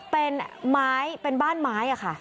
เป็นบ้านไม้ค่ะ